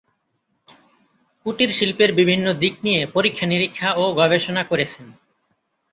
কুটির শিল্পের বিভিন্ন দিক নিয়ে পরীক্ষা নিরীক্ষা ও গবেষণা করেছেন।